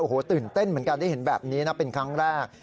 โอ้โหตื่นเต้นเหมือนกันได้เห็นแบบนี้นะเป็นครั้งแรก